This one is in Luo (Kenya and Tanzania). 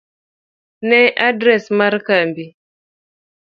ne adres mar kambi.